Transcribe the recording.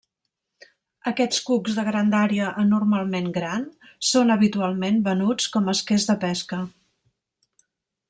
Aquests cucs de grandària anormalment gran són habitualment venuts com a esquers de pesca.